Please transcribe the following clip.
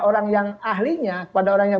orang yang ahlinya kepada orang yang